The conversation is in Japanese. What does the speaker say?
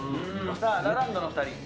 ラランドの２人。